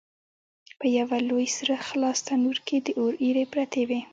په یوه لوی سره خلاص تنور کې د اور ایرې پرتې وې.